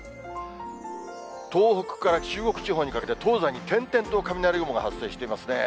東北から中国地方にかけて、東西に点々と雷雲が発生していますね。